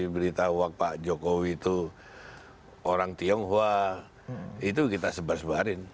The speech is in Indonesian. beritahu pak jokowi itu orang tionghoa itu kita sebar sebarin